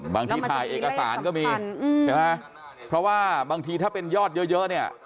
บางทีถ่ายเอกสารก็มีเพราะว่าบางทีถ้าเป็นยอดเยอะ